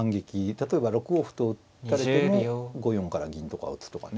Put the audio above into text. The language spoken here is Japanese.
例えば６五歩と打たれても５四から銀とかを打つとかね。